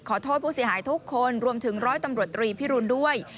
ขอโทษผู้เสียหายทุกคนรวมถึงร้อยตำรวจตรีพิรุณด้วย